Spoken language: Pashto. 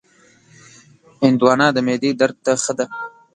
هندوانه د معدې درد ته ښه ده.